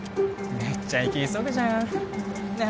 めっちゃ生き急ぐじゃんねえ